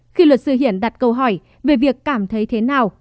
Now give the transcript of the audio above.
khi luật sư hiển đặt câu hỏi về việc cảm thấy thế nào